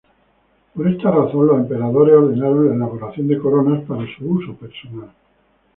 Por esta razón, los emperadores ordenaron la elaboración de coronas para su uso personal.